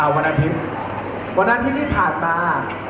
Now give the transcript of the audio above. วันอาทิตย์วันอาทิตย์ที่ผ่านมา